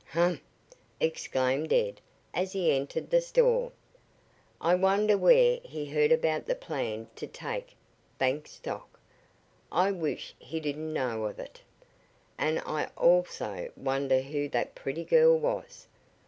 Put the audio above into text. "Humph!" exclaimed Ed as he entered the store. "I wonder where he heard about my plan to take bank stock? I wish he didn't know of it. And I also wonder who that pretty girl was?"